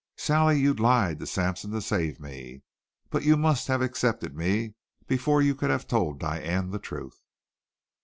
"Sally, you lied to Sampson to save me. But you must have accepted me before you could have told Diane the truth."